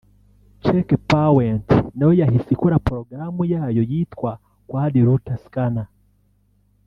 Checkpoint nayo yahise ikora porogaramu yayo yitwa QuadRooter Scanner